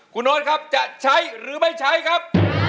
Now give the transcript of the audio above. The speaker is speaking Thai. คุณโน๊ตครับจะใช้หรือไม่ใช้ครับ